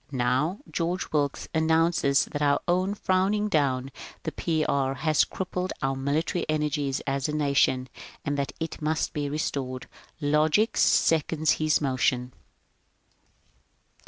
Now George Wilkes annoances that our frowning down the P. B. has crippled our military energies as a nation, and that it must be restored. Logic seconds his motion.